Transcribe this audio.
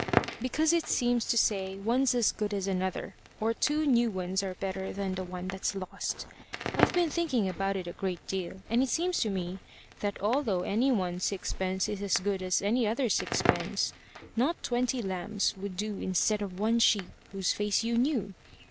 "Because it seems to say one's as good as another, or two new ones are better than one that's lost. I've been thinking about it a great deal, and it seems to me that although any one sixpence is as good as any other sixpence, not twenty lambs would do instead of one sheep whose face you knew.